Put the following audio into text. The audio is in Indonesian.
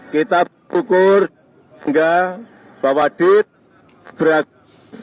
kita berhukum hingga bahwa di seberang negara